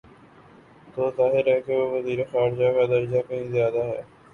تو ظاہر ہے کہ وزیر خارجہ کا درجہ کہیں زیادہ ہے۔